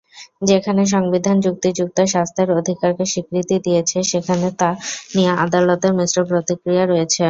যেখানে সংবিধান যুক্তিযুক্ত "স্বাস্থ্যের অধিকার" কে স্বীকৃতি দিয়েছে, সেখানে তা নিয়ে আদালতের মিশ্র প্রতিক্রিয়া রয়েছে।